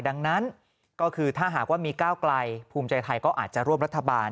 ดังนั้นก็คือถ้าหากว่ามีก้าวไกลภูมิใจไทยก็อาจจะร่วมรัฐบาล